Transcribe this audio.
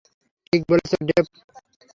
ঠিক বলেছ, ডেভ।